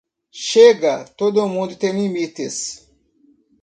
Chega, todo mundo tem limites